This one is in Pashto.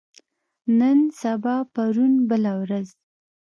نن سبا پرون بله ورځ